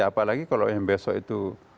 apalagi kalau yang besok itu